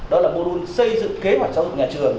đó là mô đun xây dựng kế hoạch giáo dục nhà trường